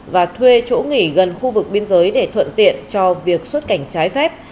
và thuê chỗ nghỉ gần khu vực biên giới để thuận tiện cho việc xuất cảnh trái phép